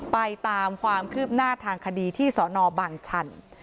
ไปตามความคืบหน้าทางคดีที่สนบางชัน